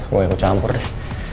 gue yang kecampur deh